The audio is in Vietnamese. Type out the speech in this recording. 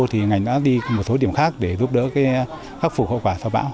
thì ngành đã đi một số điểm khác để giúp đỡ khắc phục hậu quả sau bão